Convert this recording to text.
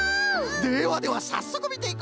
ではではさっそくみていこう！